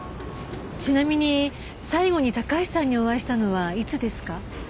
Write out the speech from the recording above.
ちなみに最後に高橋さんにお会いしたのはいつですか？